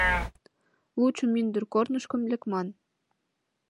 Лучо мӱндыр корнышко лекман.